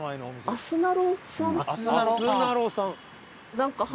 アスナロさん。